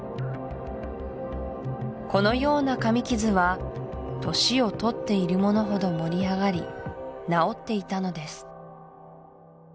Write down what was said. このような噛み傷は年を取っているものほど盛り上がり治っていたのです